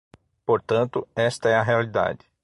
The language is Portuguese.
Portanto, esta é a realidade.